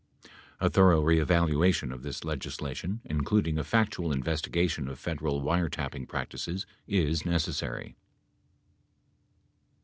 A thorough reevaluation of this legislation, including a factual investigation of Federal wiretapping practices, is necessary.